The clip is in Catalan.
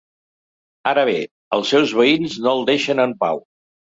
Ara bé, els seus veïns no el deixen en pau.